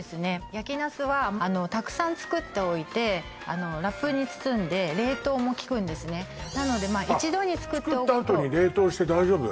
焼きナスはあのたくさん作っておいてあのラップに包んで冷凍も利くんですねなのでまあ一度に作っておくとあっ作ったあとに冷凍して大丈夫？